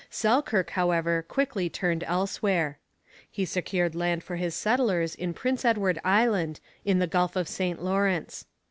Selkirk, however, quickly turned elsewhere. He secured land for his settlers in Prince Edward Island, in the Gulf of St Lawrence.